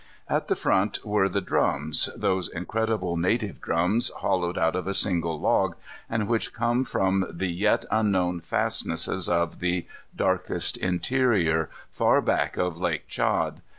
At the front were the drums, those incredible native drums hollowed out of a single log, and which come from the yet unknown fastnesses of the darkest interior, far back of Lake Tchad.